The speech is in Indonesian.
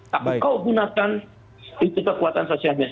tapi kau gunakan kekuatan sosial media